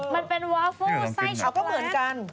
มันเป็นวอร์ฟล์ไส้ช็อกแลค